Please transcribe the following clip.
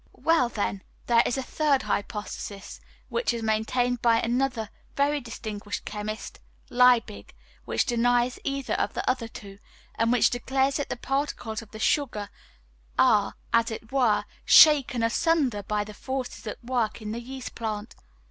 Well, then, there is a third hypothesis, which is maintained by another very distinguished chemist, Liebig, which denies either of the other two, and which declares that the particles of the sugar are, as it were, shaken asunder by the forces at work in the yeast plant.